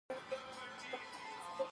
اوړي د افغانستان د ځمکې د جوړښت نښه ده.